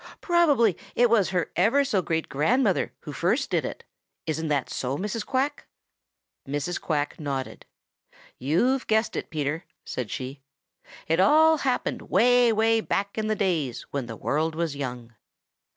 Probably it was her ever so great grandmother who first did it. Isn't that so, Mrs. Quack?" Mrs. Quack nodded. "You've guessed it, Peter," said she. "It all happened way, way back in the days when the world was young."